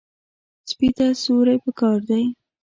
سپي ته سیوري پکار دی.